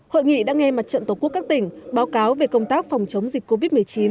hội nghị đã nghe mặt trận tổ quốc các tỉnh báo cáo về công tác phòng chống dịch covid một mươi chín